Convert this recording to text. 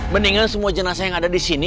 mendingan semua jenazah yang ada disini